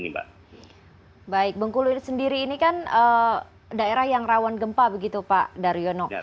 baik bengkulu sendiri ini kan daerah yang rawan gempa begitu pak daryono